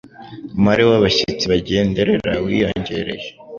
umubare w'abashyitsi bagenderera wiyongere